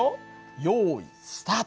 よいスタート！